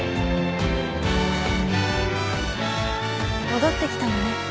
戻ってきたのね。